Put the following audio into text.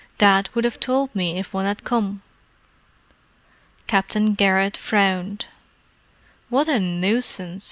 Dad would have told me if one had come." Captain Garrett frowned. "What a nuisance!"